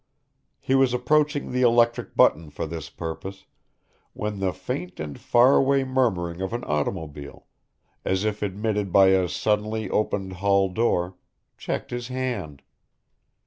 He was approaching the electric button for this purpose, when the faint and far away murmuring of an automobile, as if admitted by a suddenly opened hall door, checked his hand.